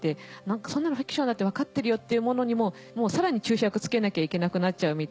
そんなのフィクションだって分かってるよっていうものにもさらに注釈付けなきゃいけなくなっちゃうみたいな。